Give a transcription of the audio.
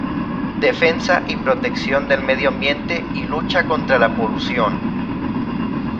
Defensa y protección del medio ambiente y lucha contra la polución.